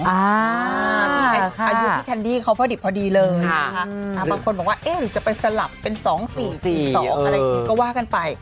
๒อายุแคนดี้เขาผลิตพอดีเลยหรือจะไปสลับเป็น๒๔๔ก็ว่ากันไป